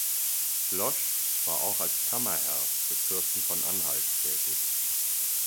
Losch war auch als Kammerherr des Fürsten von Anhalt tätig.